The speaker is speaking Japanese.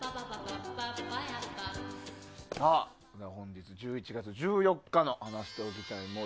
本日、１１月１４日の話しておきたい森。